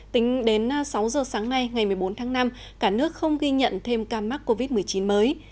tính đến sáu giờ sáng nay ngày một mươi bốn tháng năm cả nước không ghi nhận thêm ca mắc covid một mươi chín mới